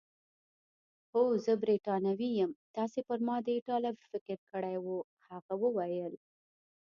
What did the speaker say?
هو، زه بریتانوی یم، تاسي پر ما د ایټالوي فکر کړی وو؟ هغه وویل.